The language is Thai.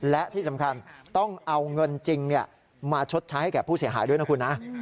และที่สำคัญต้องเอาเงินจริงมาชดใช้ให้แก่ผู้เสียหายด้วยนะคุณนะ